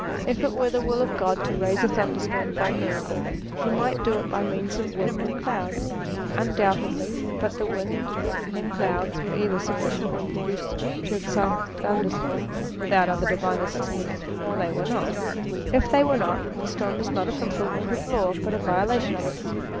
If it were the will of God to raise a thunderstorm by miracle, he might do it by means of winds and clouds. Undoubtedly; but the winds and clouds were either sufficient when produced to excite the thunderstorm without other divine assistance, or they were not. If they were not, the storm is not a fulfilment of law, but a violation of it.